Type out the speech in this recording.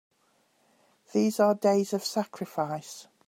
These are days of sacrifice!